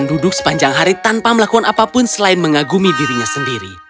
duduk sepanjang hari tanpa melakukan apapun selain mengagumi dirinya sendiri